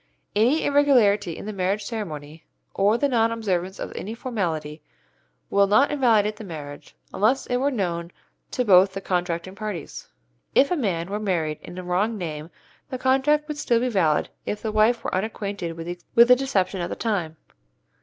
Any irregularity in the marriage ceremony or the non observance of any formality will not invalidate the marriage, unless it were known to both the contracting parties. If a man were married in a wrong name the contract would still be valid if the wife were unacquainted with the deception at the time.